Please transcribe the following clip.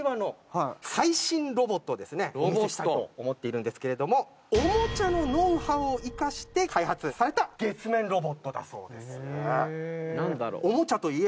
お見せしたいと思ってるんですがオモチャのノウハウを生かして開発された月面ロボットだそうです。